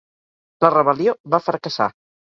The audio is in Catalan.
La rebel·lió va fracassar.